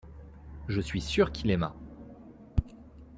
Je suis sûr qu’il aima.